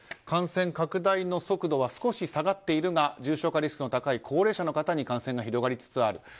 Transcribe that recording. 感染拡大の速度は少し下がっているが重症化リスクの高い高齢者の方に感染が広がりつつある。